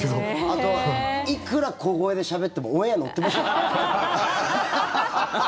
あといくら小声でしゃべってもオンエア乗ってますから。